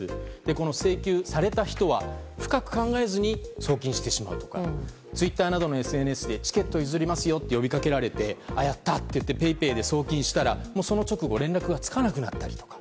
この請求された人は深く考えずに送金してしまうとかツイッターなどのＳＮＳでチケット譲りますよと呼びかけられてやったー！っていってＰａｙＰａｙで送金したらその直後連絡がつかなくなったりとか。